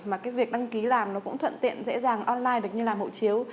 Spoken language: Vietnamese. mà cái việc đăng ký làm nó cũng thuận tiện dễ dàng online được như là mẫu chiếu